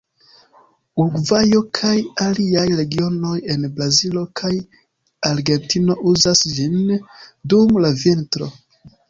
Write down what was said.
Urugvajo, kaj aliaj regionoj en Brazilo kaj Argentino uzas ĝin dum la vintro.